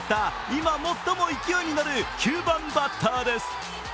今、最も勢いに乗る９番バッターです。